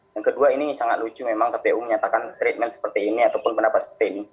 yang kedua ini sangat lucu memang kpu menyatakan treatment seperti ini ataupun pendapat seperti ini